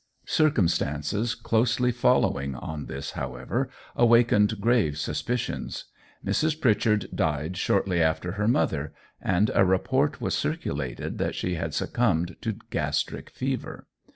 Circumstances closely following on this, however, awakened grave suspicions. Mrs. Pritchard died shortly after her mother, and a report was circulated that she had succumbed to gastric fever.